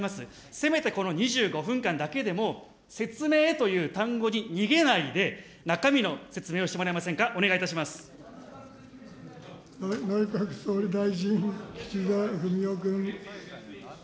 せめてこの２５分間だけでも、説明という単語に逃げないで、中身の説明をしてもらえませんか、お内閣総理大臣、岸田文雄君。